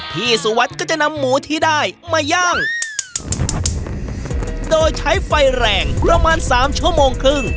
สุวัสดิ์ก็จะนำหมูที่ได้มาย่างโดยใช้ไฟแรงประมาณสามชั่วโมงครึ่ง